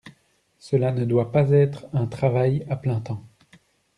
Cela ne doit pas être un travail à plein temps.